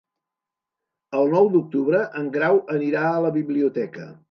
El nou d'octubre en Grau anirà a la biblioteca.